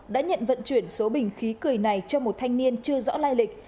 đã nhận vận chuyển số bình khí cười này cho một thanh niên chưa rõ lai lịch